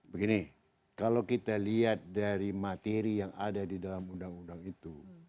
begini kalau kita lihat dari materi yang ada di dalam undang undang itu